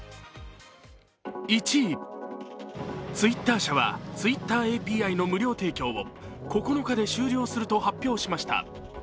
１位、Ｔｗｉｔｔｅｒ社はＴｗｉｔｔｅｒＡＰＩの無料提供を９日で終了すると発表しました。